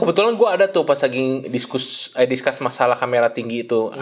kebetulan gue ada tuh pas lagi discuss masalah kamera tinggi itu